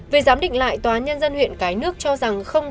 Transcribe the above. về giám định lại tòa án nhân dân huyện cái nước cho rằng